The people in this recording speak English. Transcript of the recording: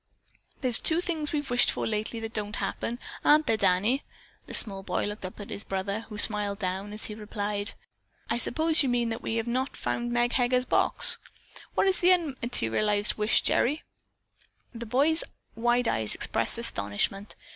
"There's two things we've wished for lately that don't happen, aren't there, Danny?" The small boy looked up at his big brother, who smiled down, as be replied, "I suppose you mean that we have not found Meg Heger's box. What is the other unmaterialized wish, Gerry?" The boy's wide eyes expressed astonishment.